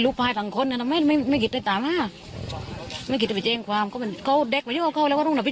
ลูกแม่เขาไปทำอะไรจะมันมันต้องการฆ่าลูกแม่ทั้งแน่